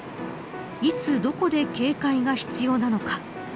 いつどこで警戒が必要なのか。